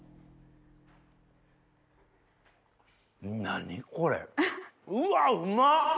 何これうわうまっ！